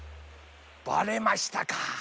ばれましたか。